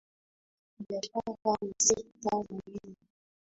Biashara ni sekta muhimu